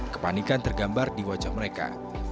kepanikan tergambar di wajah mereka